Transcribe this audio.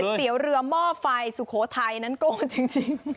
เตี๋ยวเรือหม้อไฟสุโขทัยนั้นโกนจริง